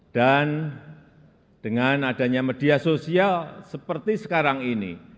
dengan adanya media sosial seperti sekarang ini